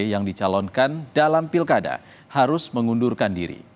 yang dicalonkan dalam pilkada harus mengundurkan diri